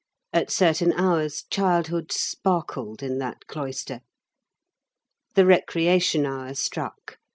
At certain hours childhood sparkled in that cloister. The recreation hour struck.